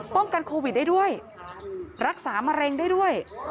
กันโควิดได้ด้วยรักษามะเร็งได้ด้วย